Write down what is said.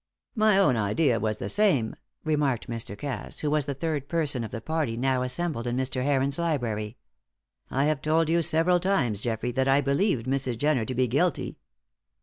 "My own idea was the same," remarked Mr. Cass, who was the third person of the party now assembled in Mr. Heron's library. "I have told you several times, Geoffrey, that I believed Mrs. Jenner to be guilty."